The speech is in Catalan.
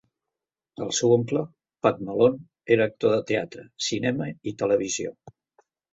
El seu oncle, Pat Malone, era actor de teatre, cinema i televisió.